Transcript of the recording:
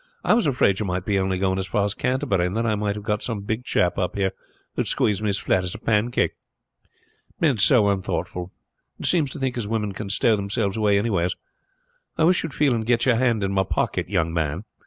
"I was afraid you might be only going as far as Canterbury, and then I might have got some big chap up here who would squeeze me as flat as a pancake. Men is so unthoughtful, and seems to think as women can stow themselves away anywheres. I wish you would feel and get your hand in my pocket, young man.